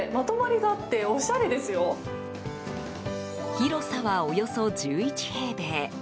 広さはおよそ１１平米。